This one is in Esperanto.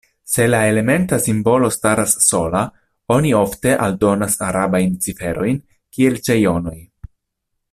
Se la elementa simbolo staras sola, oni ofte aldonas arabajn ciferojn kiel ĉe jonoj.